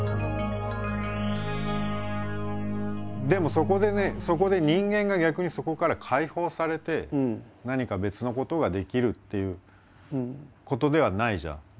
でもそこでねそこで人間が逆にそこから解放されて何か別のことができるということではないじゃん